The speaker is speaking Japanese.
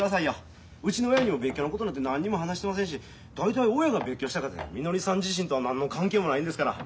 うちの親にも別居のことなんて何にも話してませんし大体親が別居したかてみのりさん自身とは何の関係もないんですから。